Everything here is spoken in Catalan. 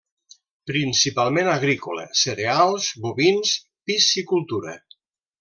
Principalment agrícola: cereals, bovins, piscicultura.